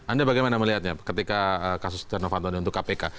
anda bagaimana melihatnya ketika kasus ternopantone untuk kpk